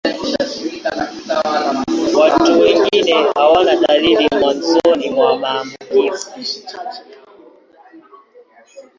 Watu wengi hawana dalili mwanzoni mwa maambukizi.